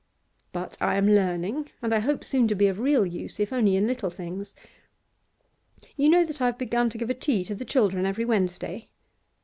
But I am learning, and I hope soon to be of real use, if only in little things. You know that I have begun to give a tea to the children every Wednesday?